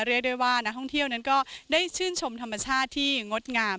เรียกได้ว่านักท่องเที่ยวนั้นก็ได้ชื่นชมธรรมชาติที่งดงาม